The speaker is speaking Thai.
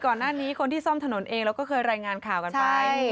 ก่อนหน้านี้คนที่ซ่อมถนนเองเราก็เคยรายงานข่าวกันไป